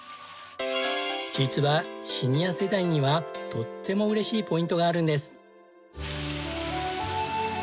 実はシニア世代にはとっても嬉しいポイントがあるんです。